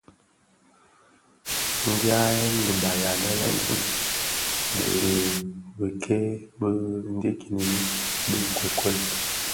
Nshyayèn dhibaï ane lè Noun dhi bikei bi ndikinimiki bi nkokuel.